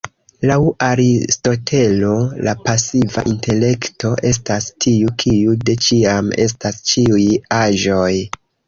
Laŭ Aristotelo, la pasiva intelekto "estas tiu kiu de ĉiam estas ĉiuj aĵoj".